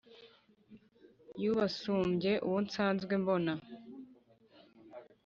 y’ubasumbye uwo nsanzwe mbona